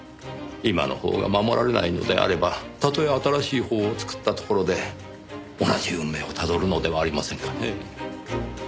今の法が守られないのであればたとえ新しい法を作ったところで同じ運命をたどるのではありませんかねぇ。